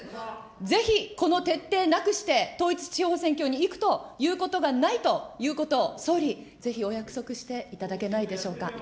ぜひ、この徹底なくして統一地方選挙にいくということがないということ、総理、ぜひお約束していただけないでしょうか。